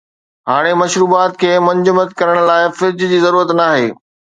هاڻي مشروبات کي منجمد ڪرڻ لاءِ فرج جي ضرورت ناهي